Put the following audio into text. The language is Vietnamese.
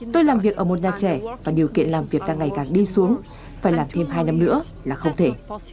tôi làm việc ở một nhà trẻ và điều kiện làm việc đang ngày càng đi xuống phải làm thêm hai năm nữa là không thể